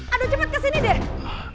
aduh cepet kesini deh